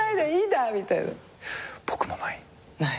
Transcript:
僕もない。